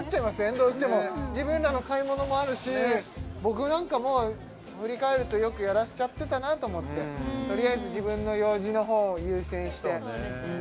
どうしても自分らの買い物もあるし僕なんか振り返るとよくやらせちゃってたなと思ってとりあえず自分の用事のほうを優先してそうですよね